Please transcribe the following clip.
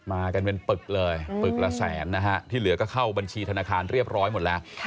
มากันเป็นปึกเลยปึกละแสนนะฮะที่เหลือก็เข้าบัญชีธนาคารเรียบร้อยหมดแล้ว